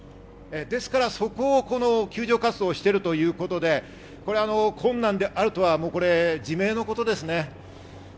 そこを救助活動してるということで、困難であるとは自明のことです。